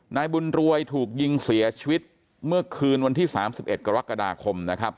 นายบุญรวยถูกยิงเสียชีวิตเมื่อคืนวันที่๓๑กรกฎาคมนะครับ